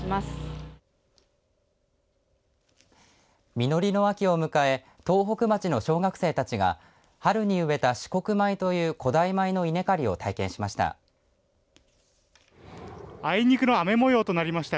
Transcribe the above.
実りの秋を迎え東北町の小学生たちが春に植えた紫黒米という古代米の稲刈りを体験しました。